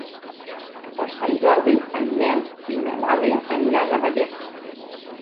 Per Sant Jordi en Nel i na Dàlia aniran a Vallés.